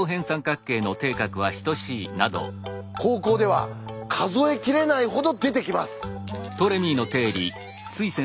高校では数え切れないほど出てきます。